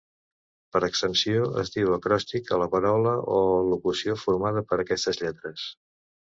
Per extensió es diu acròstic a la paraula o locució formada per aquestes lletres.